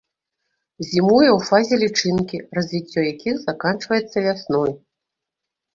Зімуе ў фазе лічынкі, развіццё якіх заканчваецца вясной.